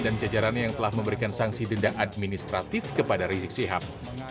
dan jajarannya yang telah memberikan sanksi denda administratif kepada rizik sihab